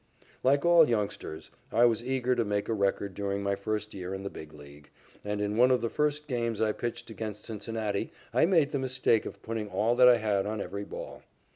Like all youngsters, I was eager to make a record during my first year in the Big League, and in one of the first games I pitched against Cincinnati I made the mistake of putting all that I had on every ball.